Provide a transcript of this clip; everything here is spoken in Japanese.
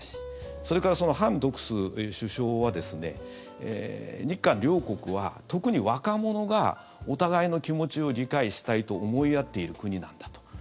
それから、ハン・ドクス首相は日韓両国は特に若者がお互いの気持ちを理解したいと思い合ってる国なんだと。